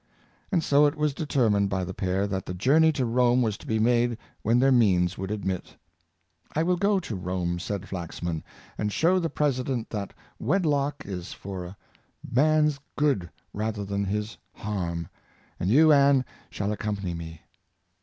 And so it was determined by the pair that the journey to Rome was to be made when their means would admit. " I will go to Rome," said Flaxman, " and show the President that wedlock is for a man's good rather than his harm; and you, Ann, shall accompany me."